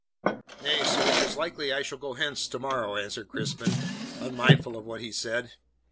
"Nay, sir, 'tis likely I shall go hence to morrow," answered Crispin, unmindful of what he said.